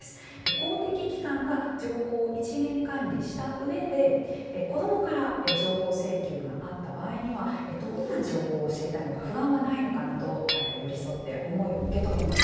公的機関が情報を一元管理した上で子どもから情報請求があった場合にはどんな情報を知りたいのか不安はないのかなど寄り添って思いを受けとめます。